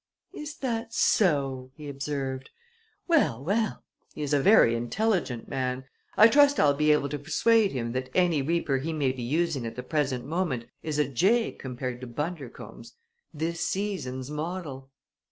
"Is that so!" he observed. "Well, well! He is a very intelligent man. I trust I'll be able to persuade him that any reaper he may be using at the present moment is a jay compared to Bundercombe's this season's model!"